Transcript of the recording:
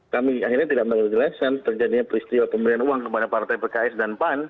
kami akhirnya tidak menjelaskan terjadinya peristiwa pemberian uang kepada partai pks dan pan